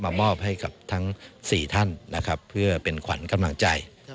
มอบให้กับทั้ง๔ท่านนะครับเพื่อเป็นขวัญกำลังใจ